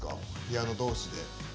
ピアノ同士で。